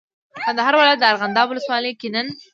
کندهار ولایت ارغنداب ولسوالۍ کې نن